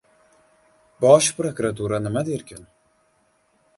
Bosh prokuratura nima derkin?